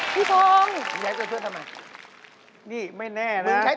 พี่ทงนี่ไม่แน่นะมึงใช้ตัวช่วยทำไมทำไม